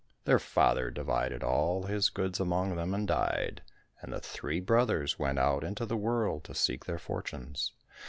Their father divided all his goods among them and died, and the three brothers went out into the world to seek their fortunes.